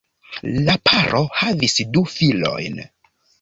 La paro havis du filojn.